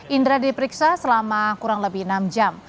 indra diperiksa selama kurang lebih enam jam